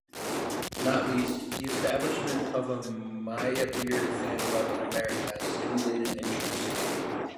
Not least, the establishment of a 'Meyerbeer Fan Club' in America has stimulated interest.